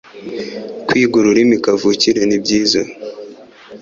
Kwiga ururimi kavukire nibyiza